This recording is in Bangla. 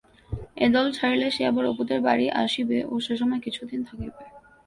এ দল ছাড়িলে সে আবার অপুদের বাড়ি আসিবে ও সে সময় কিছুদিন থাকিবে।